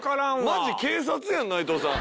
マジ警察やん内藤さん。